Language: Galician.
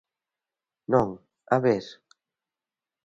Non, a ver.